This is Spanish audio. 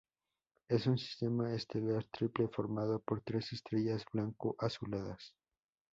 Es un sistema estelar triple formado por tres estrellas blanco-azuladas.